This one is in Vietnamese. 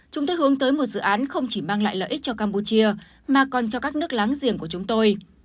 chúng tôi hướng tới một dự án không chỉ mang lại lợi ích cho campuchia mà còn cho các nước láng giềng của chúng tôi